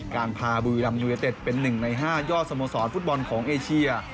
การพาบุรีรัมพ์ยูเนตเต็ดเป็นหนึ่งในห้ายอดสโมสรฟุตบอลของเอเชีย